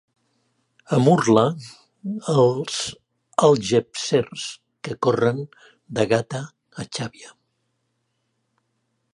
A Murla els algepsers que corren de Gata a Xàbia.